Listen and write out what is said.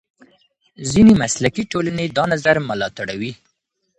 ځینې مسلکي ټولنې دا نظر ملاتړوي.